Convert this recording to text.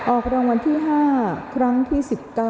ออกรางวัลที่๕ครั้งที่๑๙